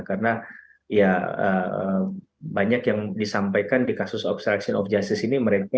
karena banyak yang disampaikan di kasus obstruction of justice ini mereka